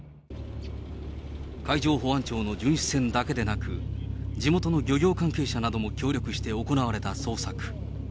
海上保安庁の巡視船だけでなく、地元の漁業関係者なども協力して行われた捜索。